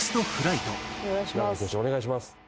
早速お願いします。